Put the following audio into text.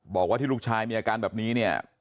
บอกว่าที่ลูกชายมีอาการอย่างนี้